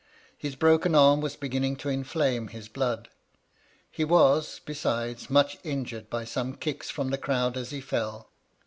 His broken arm was beginning to inflame his blood. He was, besides, much injured by some kicks from the crowd as he fell.